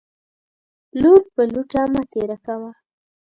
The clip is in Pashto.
لور پر لوټه مه تيره کوه.